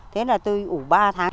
thế là tôi ủ ba tháng